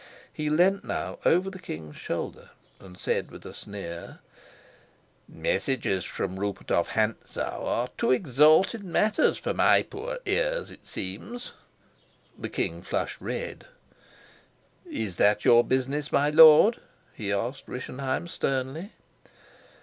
He leant now over the king's shoulder, and said with a sneer: "Messages from Rupert of Hentzau are too exalted matters for my poor ears, it seems." The king flushed red. "Is that your business, my lord?" he asked Rischenheim sternly.